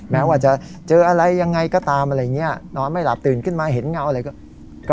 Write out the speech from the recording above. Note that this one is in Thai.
แม้ว่าจะเจออะไรยังไงก็ตามอะไรอย่างนี้นอนไม่หลับตื่นขึ้นมาเห็นเงาอะไรก็